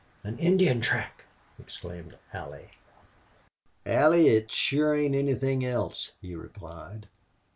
"An Indian track!" exclaimed Allie. "Allie, it sure ain't anythin' else," he replied.